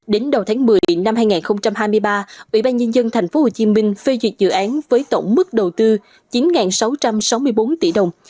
đến đầu tháng một mươi năm hai nghìn hai mươi ba ủy ban nhân dân tp hcm phê duyệt dự án với tổng mức đầu tư chín sáu trăm sáu mươi bốn tỷ đồng